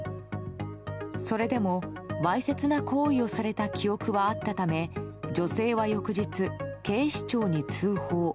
それでもわいせつな行為をされた記憶はあったため女性は翌日、警視庁に通報。